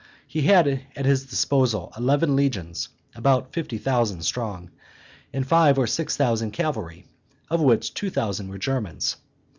He had at his disposal eleven legions, about fifty thousand strong, and five or six thousand cavalry, of which two thousand were Germans.